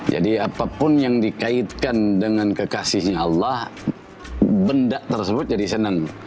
jadi apapun yang dikaitkan dengan kekasihnya allah benda tersebut jadi senang